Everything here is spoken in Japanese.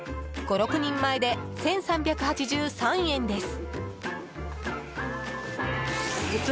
５６人前で１３８３円です。